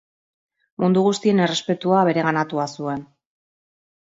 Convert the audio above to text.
Mundu guztien errespetua bereganatua zuen.